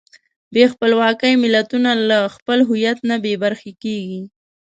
بې خپلواکۍ ملتونه له خپل هویت نه بېبرخې کېږي.